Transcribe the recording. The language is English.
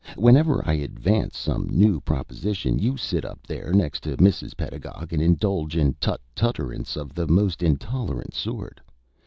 Whenever I advance some new proposition, you sit up there next to Mrs. Pedagog and indulge in tutt tutterances of the most intolerant sort.